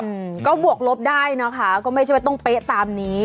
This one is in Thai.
อืมก็บวกลบได้นะคะก็ไม่ใช่ว่าต้องเป๊ะตามนี้